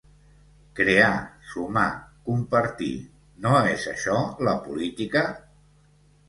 Crear, sumar compartir… No és això la política?